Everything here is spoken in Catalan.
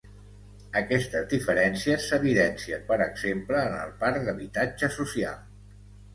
Aquestes diferències s’evidencien, per exemple, en el parc d’habitatge social.